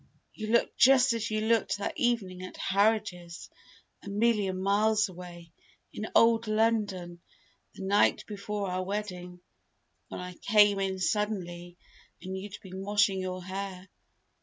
You look just as you looked that evening at Harridge's, a million miles away, in old London the night before our wedding when I came in suddenly, and you'd been washing your hair.